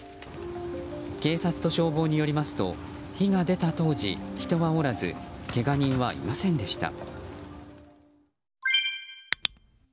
警察と消防によりますと火が出た当時人はおらずけが人はいませんでした。